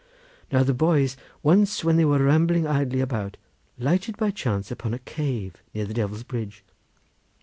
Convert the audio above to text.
Now the boys, once when they were rambling idly about, lighted by chance upon a cave near the Devil's Bridge.